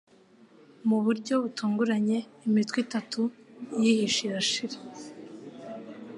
Mu buryo butunguranye imitwe itatu yihishe irashira